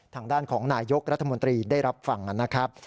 ทางด้านของนายยกรัฐมนตรีได้รับฟังนะครับ